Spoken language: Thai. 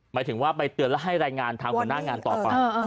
หมายถึงว่าไปเตือนแล้วให้รายงานทางหัวหน้างานต่อไป